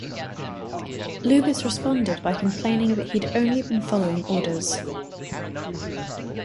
Lubis responded by complaining that he had only been following orders.